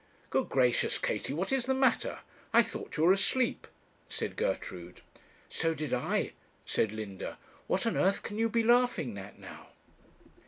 'Good gracious, Katie, what is the matter? I thought you were asleep,' said Gertrude. 'So did I,' said Linda. 'What on earth can you be laughing at now?'